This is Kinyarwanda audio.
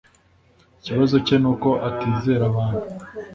Icyibazo cye nuko atizera abantu